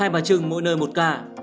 hai bà trưng mỗi nơi một ca